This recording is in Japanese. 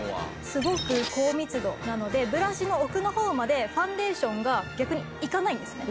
すごく高密度なのでブラシの奥の方までファンデーションが逆にいかないんですね。